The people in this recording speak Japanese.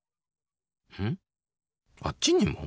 んっあっちにも？